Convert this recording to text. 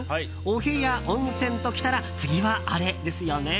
お部屋、温泉と来たら次はあれですよね。